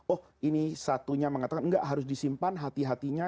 oh ini satunya mengatakan enggak harus disimpan hati hatinya